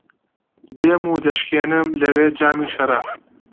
دێم و دەشکێنم لەوێ جامی شەراب